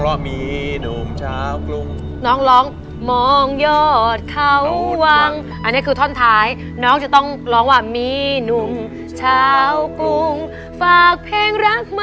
ขอทำสักคำยังคุ้นข้อง